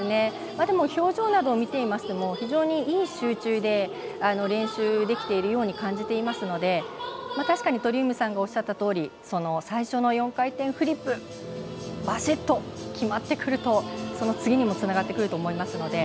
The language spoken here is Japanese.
でも表情などを見ていましても非常にいい集中で練習できているように感じていますので確かに鳥海さんがおっしゃったとおり最初の４回転フリップバシッと決まってくるとその次にもつながってくると思います。